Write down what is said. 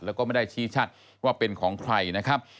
แล้วก็ไม่ได้ชี้ชัดว่าเป็นของใครนะครับ